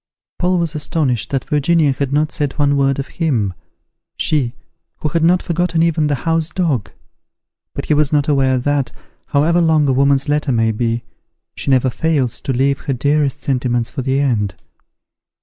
Paul was astonished that Virginia had not said one word of him, she, who had not forgotten even the house dog. But he was not aware that, however long a woman's letter may be, she never fails to leave her dearest sentiments for the end.